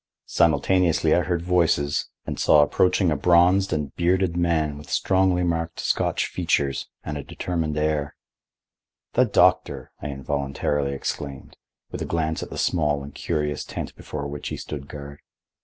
Simultaneously I heard voices, and saw approaching a bronzed and bearded man with strongly marked Scotch features and a determined air. "The doctor!" I involuntarily exclaimed, with a glance at the small and curious tent before which he stood guard.